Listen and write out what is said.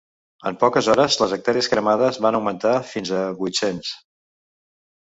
En poques hores les hectàrees cremades van augmentar fins a les vuit-cents.